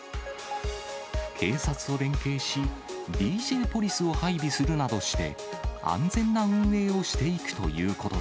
警察と連携し、ＤＪポリスを配備するなどして、安全な運営をしていくということ